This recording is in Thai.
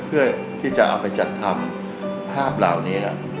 เพื่อที่จะเอาไปจัดทำภาพเหล่านี้